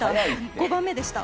５番目でした。